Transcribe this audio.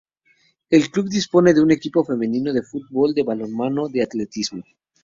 El club dispone de un equipo femenino de fútbol, de balonmano, de atletismo.